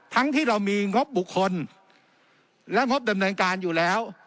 ที่เรามีงบบุคคลและงบดำเนินการอยู่แล้ว